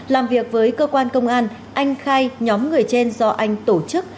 làm việc với cơ quan công an anh khai nhóm người trên do anh tổ chức